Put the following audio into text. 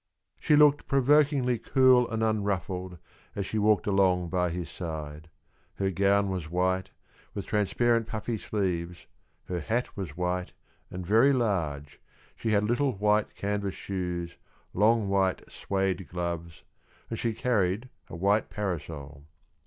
She looked provokingly cool and unruffled as she walked along by his side; her gown was white, with transparent puffy sleeves, her hat was white and very large, she had little white canvas shoes, long white Suède gloves, and she carried a white parasol.